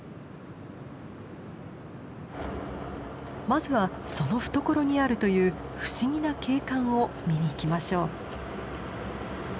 まずはその懐にあるという不思議な景観を見に行きましょう。